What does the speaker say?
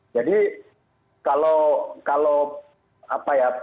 jadi kalau kalau apa ya prediksi korupsi itu tetap ada